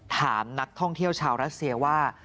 ถามนักท่องเที่ยวชาวรัสเซียว่า